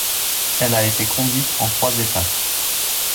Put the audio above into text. Elle a été conduite en trois étapes.